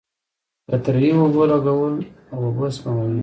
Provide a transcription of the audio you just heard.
قطره یي اوبولګول اوبه سپموي.